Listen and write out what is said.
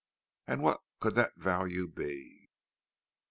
And what could the value be?